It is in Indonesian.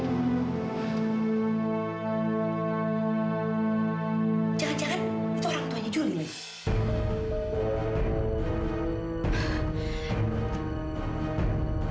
jangan jangan itu orang tuanya juli bu